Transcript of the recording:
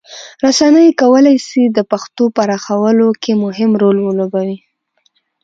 رسنۍ کولی سي د پښتو پراخولو کې مهم رول ولوبوي.